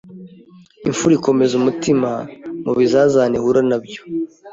Imfura ikomeza umutima mu bizazane ihura na byo